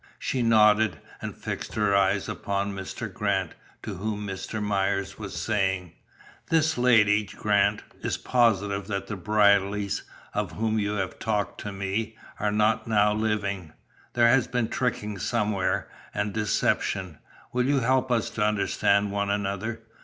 She nodded, and fixed her eyes upon "Mr. Grant," to whom Mr. Myers was saying: "This lady, Grant, is positive that the Brierlys, of whom you have talked to me, are not now living. There has been tricking somewhere, and deception. Will you help us to understand one another?"